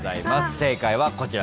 正解はこちらです。